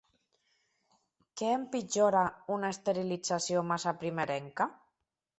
Què empitjora una esterilització massa primerenca?